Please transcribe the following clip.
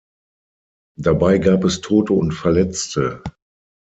Dabei gab es Tote und Verletzte.